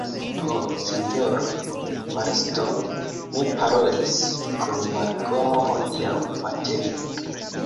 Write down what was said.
Ho, sinjoro Marston, mi parolis kun Malkomo hodiaŭ matene.